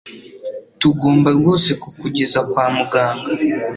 Tugomba rwose kukugeza kwa muganga.